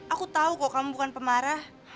aku tahu kok kamu bukan pemarah